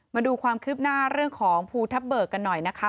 มาดูความคืบหน้าเรื่องของภูทับเบิกกันหน่อยนะคะ